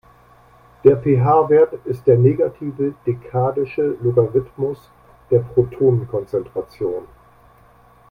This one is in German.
Der pH-Wert ist der negative dekadische Logarithmus der Protonenkonzentration.